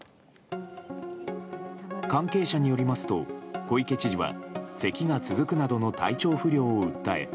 関係者によりますと小池知事はせきが続くなどの体調不良を訴え